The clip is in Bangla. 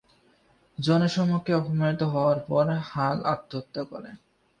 জনসমক্ষে অপমানিত হওয়ার পর হাল আত্মহত্যা করে।